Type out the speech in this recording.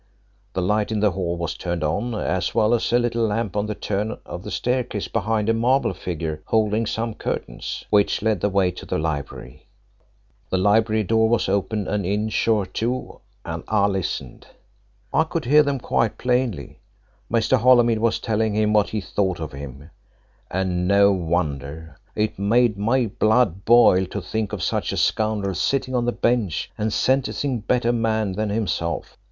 The light in the hall was turned on, as well as a little lamp on the turn of the staircase behind a marble figure holding some curtains, which led the way to the library. The library door was open an inch or two, and I listened. "I could hear them quite plainly. Mr. Holymead was telling him what he thought of him. And no wonder. It made my blood boil to think of such a scoundrel sitting on the bench and sentencing better men than himself.